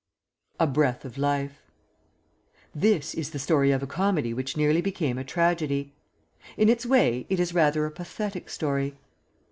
A BREATH OF LIFE This is the story of a comedy which nearly became a tragedy. In its way it is rather a pathetic story.